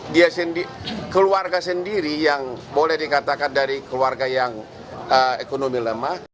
dia keluarga sendiri yang boleh dikatakan dari keluarga yang ekonomi lemah